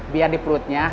biar di perutnya